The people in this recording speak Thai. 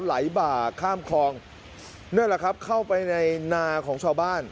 ไหลบ่าข้ามคลองนั่นแหละครับเข้าไปในนาของชาวบ้าน